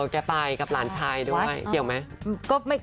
ไปกับหลานชายด้วยเกี่ยวไหม